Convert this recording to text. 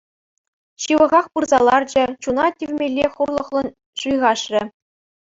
Ҫывӑхах пырса ларчӗ, чуна тивмелле хурлӑхлӑн ҫуйхашрӗ.